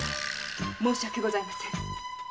申し訳ございません。